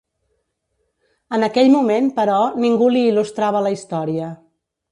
En aquell moment, però, ningú li il·lustrava la història.